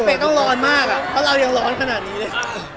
พี่เป๊กต้องร้อนมากเพราะเรายังร้อนขนาดนี้เลย